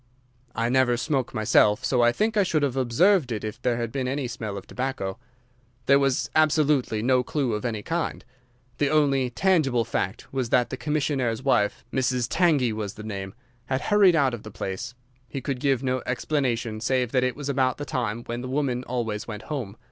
"I never smoke myself, so I think I should have observed it if there had been any smell of tobacco. There was absolutely no clue of any kind. The only tangible fact was that the commissionnaire's wife—Mrs. Tangey was the name—had hurried out of the place. He could give no explanation save that it was about the time when the woman always went home.